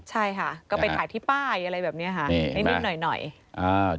ใช่ค่ะก็ไปถ่ายที่ป้ายอะไรแบบเนี้ยค่ะนิดนิดหน่อยหน่อยอ่า